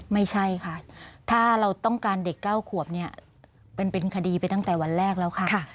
ไม่ใช่ค่ะถ้าเราต้องการเด็ก๙ขวบเนี่ยเป็นคดีไปตั้งแต่วันแรกแล้วค่ะ